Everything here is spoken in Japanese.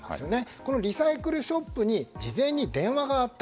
このリサイクルショップに事前に電話があった。